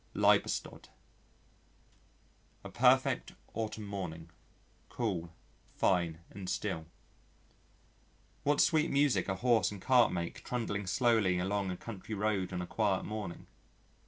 Liebestod A perfect autumn morning cool, fine and still. What sweet music a horse and cart make trundling slowly along a country road on a quiet morning!